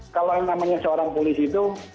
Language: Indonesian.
kalau yang namanya seorang polisi itu